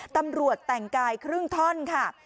ตำรวจแต่งกายครึ่งท่อนค่ะ